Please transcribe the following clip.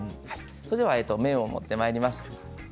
それでは麺を持ってまいります。